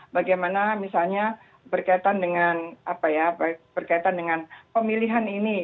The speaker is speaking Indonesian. bagaimana misalnya berkaitan dengan pemilihan ini